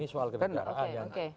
ini soal kedengaran